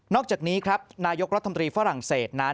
อกจากนี้ครับนายกรัฐมนตรีฝรั่งเศสนั้น